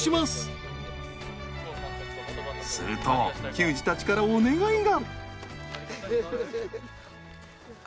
すると球児たちからお願いが。